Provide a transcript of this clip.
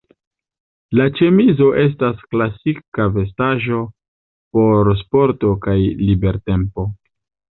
La ĉemizo estas klasika vestaĵo por sporto kaj libertempo.